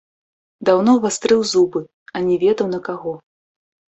Даўно вастрыў зубы, а не ведаў на каго.